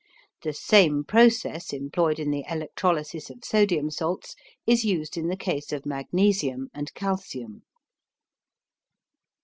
The same process employed in the electrolysis of sodium salts is used in the case of magnesium and calcium.